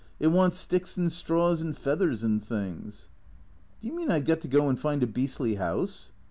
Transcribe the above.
It wants sticks and straws and feathers and things "" Do you mean I 've got to go and find a beastly house